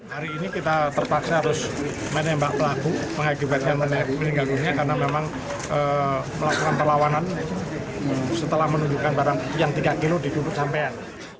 hari ini kita terpaksa harus menembak pelaku mengakibatkan peninggalkannya karena memang melakukan perlawanan setelah menunjukkan barang yang tiga kg di duduk sampean